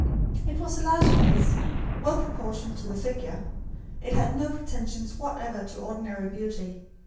It was a large face, well proportioned to the figure. It had no pretensions whatever to ordinary beauty.